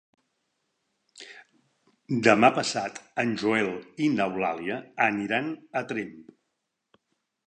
Demà passat en Joel i n'Eulàlia aniran a Tremp.